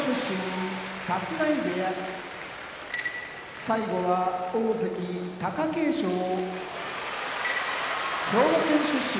立浪部屋大関・貴景勝兵庫県出身